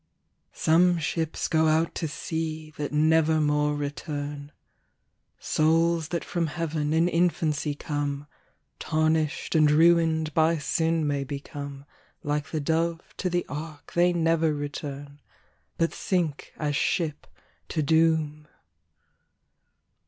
Some ships go out to sea That never more return, Souls that from heaven in infancy come, Tarnished and ruined by sin may become, Like the Dove to the Ark they never return, But sink as ship to doom.